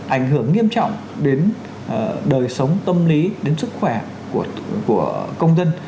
ảnh hưởng nghiêm trọng đến đời sống tâm lý đến sức khỏe của công dân